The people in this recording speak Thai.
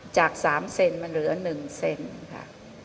จาก๓เซนมันเหลือ๑เซนค่ะ